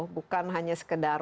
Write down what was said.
bukan hanya sekedar